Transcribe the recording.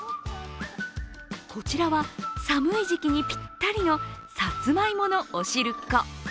こちらは寒い時期にぴったりのさつまいものおしるこ。